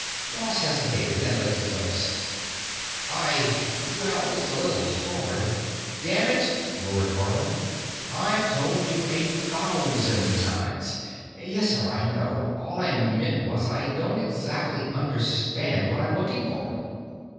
Ross hesitated and licked his lips. "I—well, it's a little hard——" "Dammit," roared Haarland, "I've told you a thousand times——" "Yessir, I know. All I meant was I don't exactly understand what I'm looking for."